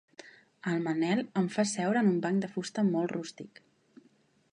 El Manel em fa seure en un banc de fusta molt rústic.